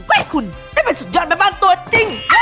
เพื่อให้คุณได้เป็นสุดยอดแม่บ้านตัวจริง